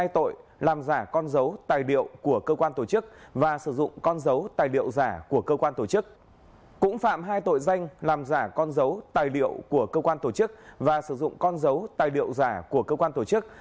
cũng phạm hai tội danh làm giả con dấu tài liệu của cơ quan tổ chức và sử dụng con dấu tài liệu giả của cơ quan tổ chức